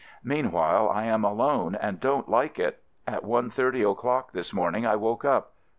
Meanwhile, I am alone and don't like it. At one thirty o'clock this morning I woke up.